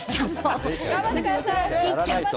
頑張ってくださいね。